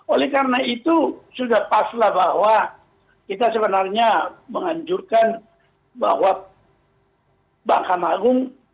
oleh karena itu sudah paslah bahwa kita sebenarnya menganjurkan bahwa mahkamah agung